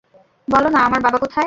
বলো না আমার বাবা কোথায়!